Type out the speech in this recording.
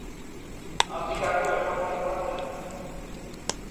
Afrikako hegoaldekoa zen.